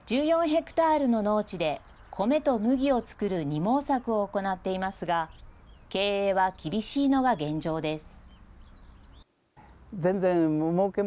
１４ヘクタールの農地で米と麦を作る二毛作を行っていますが、経営は厳しいのが現状です。